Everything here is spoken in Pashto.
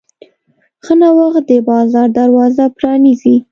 ښه نوښت د بازار دروازه پرانیزي.